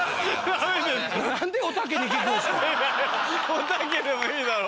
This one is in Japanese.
おたけでもいいだろ。